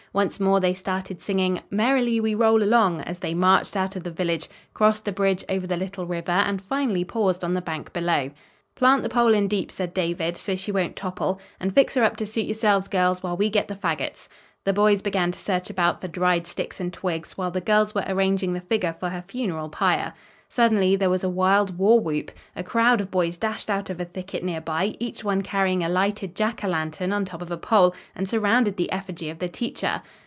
Once more they started singing: "Merrily we roll along!" as they marched out of the village, crossed the bridge over the little river and finally paused on the bank below. "Plant the pole in deep," said David, "so she won't topple, and fix her up to suit yourselves, girls, while we get the fagots." The boys began to search about for dried sticks and twigs, while the girls were arranging the figure for her funeral pyre. Suddenly, there was a wild war whoop. A crowd of boys dashed out of a thicket near by, each one carrying a lighted Jack o' lantern on top of a pole, and surrounded the effigy of the teacher.